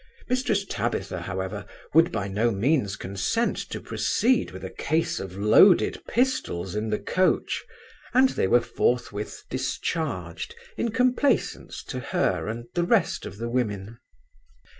Mrs Tabitha, however, would by no means consent to proceed with a case of loaded pistols in the coach, and they were forthwith discharged in complaisance to her and the rest of the women.